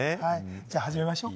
じゃあ始めましょう。